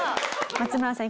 松村さん